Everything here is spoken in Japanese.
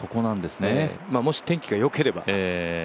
もし天気がよければ。